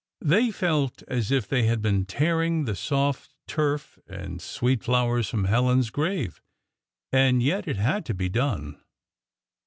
They felt as if they had been tearing the soft turf and sweet flowers from Helen's grave; and yet it had to be done.